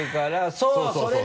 そうそう。